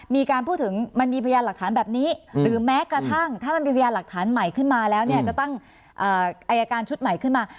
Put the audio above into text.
มีการพูดถึงมันมีพยานหลักฐานแบบนี้หรือแม้กระทั่งถ้ามันมีพยานหลักฐานใหม่ขึ้นมาแล้วเนี่ยจะตั้งอายการชุดใหม่ขึ้นมา